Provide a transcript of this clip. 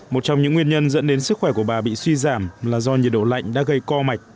một trong những nguyên nhân dẫn đến sức khỏe của bà bị suy giảm là do nhiệt độ lạnh đã gây co mạch